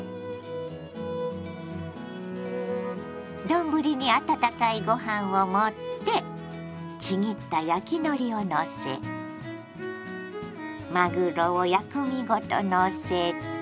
丼に温かいご飯を盛ってちぎった焼きのりをのせまぐろを薬味ごとのせて。